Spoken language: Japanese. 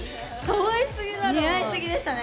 かわいすぎだろ！